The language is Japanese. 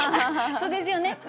そうですよね。